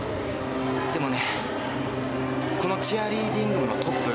でもね